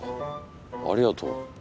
ありがとう。